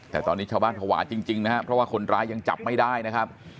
แต่ตอนนี้ชาวบ้านภาวะจริงนะครับเพราะว่าคนร้ายยังจับไม่ได้นะครับ